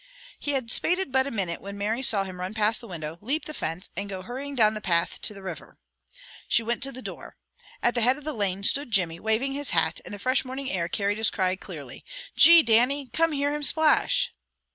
He had spaded but a minute when Mary saw him run past the window, leap the fence, and go hurrying down the path to the river. She went to the door. At the head of the lane stood Jimmy, waving his hat, and the fresh morning air carried his cry clearly: "Gee, Dannie! Come hear him splash!"